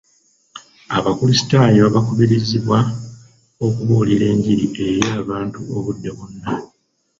Abakulisitaayo bakubirizibwa okubuulira engiri eri abantu obudde bwonna.